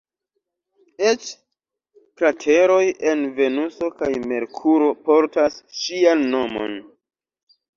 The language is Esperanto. Eĉ krateroj en Venuso kaj Merkuro portas ŝian nomon.